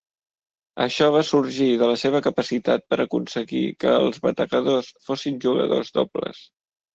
Això va sorgir de la seva capacitat per aconseguir que els bategadors fossin jugadors dobles.